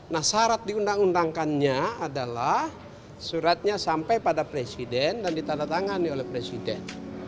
nah syarat diundang undangkannya adalah suratnya sampai pada presiden dan ditandatangani oleh presiden